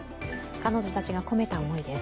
彼女たちが込めた思いです。